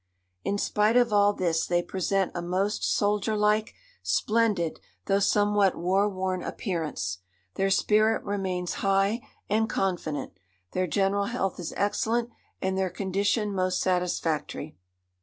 "In spite of all this they present a most soldier like, splendid, though somewhat war worn appearance. Their spirit remains high and confident; their general health is excellent, and their condition most satisfactory."